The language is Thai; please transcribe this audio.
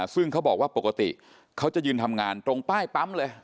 ซึ่งเขาบอกว่าปกติเขาจะยืนทำงานตรงป้ายปั๊มเลย